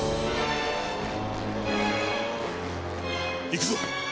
行くぞ。